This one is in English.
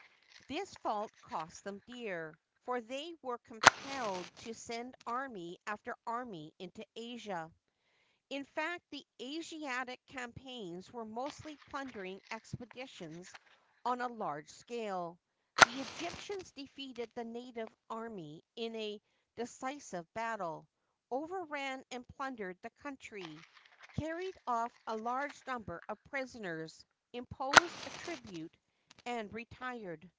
This fault cost them dear; for they were compelled to send army after army into Asia. In fact, the Asiatic campaigns, were mostly plundering expeditions on a large Digitized byCjOOQlC THE NEW EMPIRE, 71 scale. The Egyptians defeated the native army in a de cisive battle, overran and plundered the country, carried off a large number of prisoners, imposed a tribute, and retired.